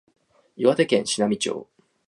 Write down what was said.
岩手県紫波町